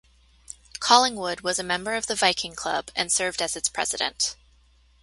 Collingwood was a member of the Viking Club and served as its president.